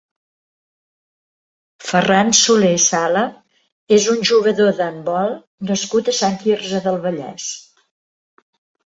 Ferran Solé Sala és un jugador d'handbol nascut a Sant Quirze del Vallès.